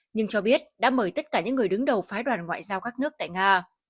nhưng cho biết đã mời tất cả những người đứng đầu phái đoàn ngoại giao các nước tại nga